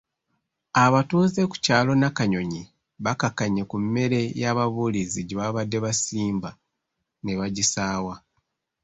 Abatuuze ku kyalo Nakanyonyi bakkakkanye ku mmere y'ababuulizi gye babadde baasimba ne bagisaawa.